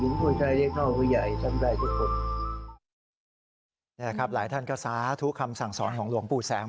นี่แหละครับหลายท่านก็สาธุคำสั่งสอนของหลวงปู่แสง